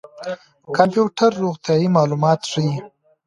کمپيوټر روغتيايي معلومات ښيي.